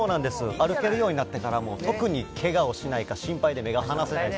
歩けるようになってから、もう特にけがをしないか心配でしかたがないと。